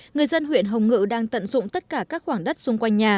người dân huyện hồng ngự đang tận dụng tất cả các khoảng đất xung quanh nhà